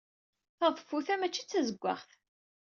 Taḍeffut-a maci d tazewwaɣt.